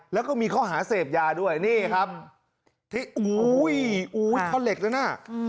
แล้วก็มีเขาหาเสพยาด้วยนี่ครับทอดเหล็กด้วยนะ